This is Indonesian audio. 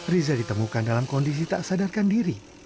riza ditemukan dalam kondisi tak sadarkan diri